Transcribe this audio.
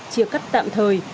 chia cắt tạm thời